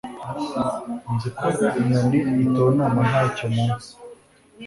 nzi ko inyoni itontoma ntayo munsi